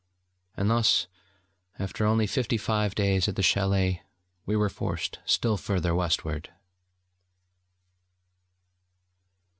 And thus, after only fifty five days at the chalet, were we forced still further Westward.